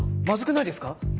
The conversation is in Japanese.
マズくないですか？